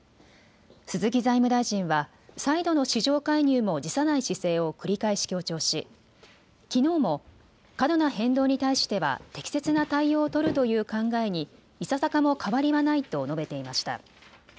鈴木財務大臣は再度の市場介入も辞さない姿勢を繰り返し強調し、きのうも過度な変動に対しては適切な対応を取るという考えにいささかも変わりはないと述べていました。